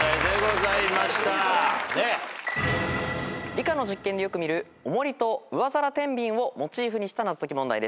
理科の実験でよく見る重りと上皿てんびんをモチーフにした謎解き問題です。